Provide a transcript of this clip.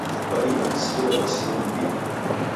Kwadima kusikira kwasilwa m'mbinyi.